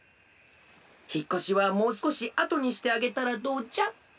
ひっこしはもうすこしあとにしてあげたらどうじゃ？